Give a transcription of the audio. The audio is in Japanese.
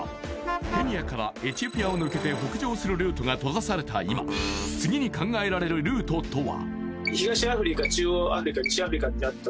ケニアからエチオピアを抜けて北上するルートが閉ざされた今次に考えられるルートとは？